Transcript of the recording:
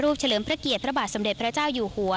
เฉลิมพระเกียรติพระบาทสมเด็จพระเจ้าอยู่หัว